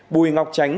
hai bùi ngọc tránh